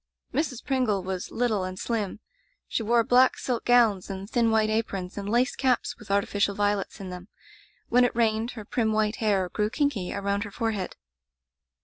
"Mrs. Pringle was little and slim. She wore black silk gowns and thin white aprons, and lace caps with artificial violets in them. When it rained, her prim white hair grew kinky around her forehead.